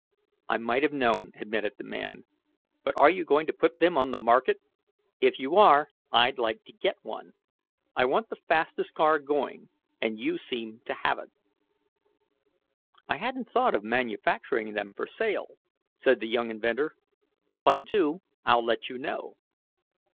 "I might have known," admitted the man. "But are you going to put them on the market? If you are I'd like to get one. I want the fastest car going, and you seem to have it." "I hadn't thought of manufacturing them for sale," said the young inventor. "If I do, I'll let you know."